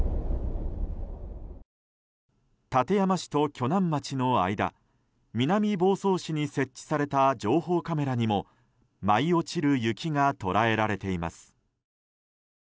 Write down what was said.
館山市と鋸南町の間南房総市に設置された情報カメラにも舞い落ちる雪が捉えられています。